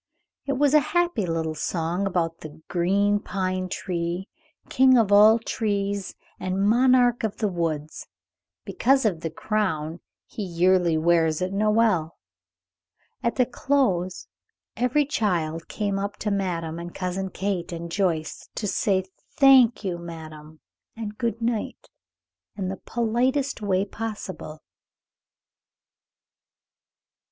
It was a happy little song about the green pine tree, king of all trees and monarch of the woods, because of the crown he yearly wears at Noël. At the close every child came up to madame and Cousin Kate and Joyce, to say "Thank you, madame," and "Good night," in the politest way possible.